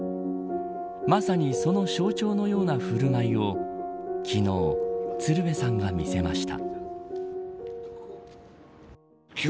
まさにその象徴のような振る舞いを昨日、鶴瓶さんが見せました。